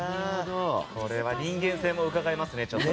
これは人間性もうかがえますね。